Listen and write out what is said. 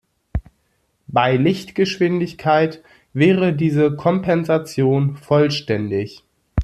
Bei Lichtgeschwindigkeit wäre diese Kompensation vollständig.